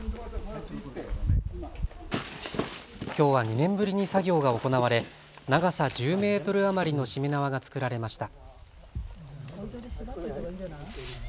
きょうは２年ぶりに作業が行われ長さ１０メートル余りのしめ縄が作られました。